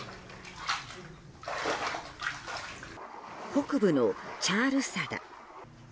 北部のチャールサダ。